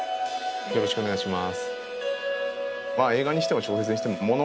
よろしくお願いします。